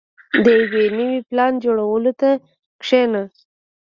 • د یو نوي پلان جوړولو ته کښېنه.